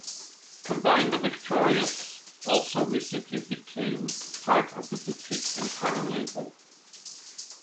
Combine the Victorious also recently became part of the Boutique Empire label.